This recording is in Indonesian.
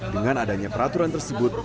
dengan adanya peraturan tersebut